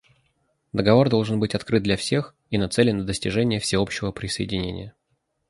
Договор должен быть открыт для всех и нацелен на достижение всеобщего присоединения.